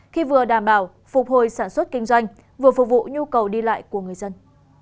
khi vừa đảm bảo phục hồi sản xuất kinh doanh